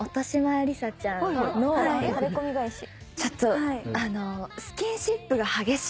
ちょっとあのスキンシップが激しい。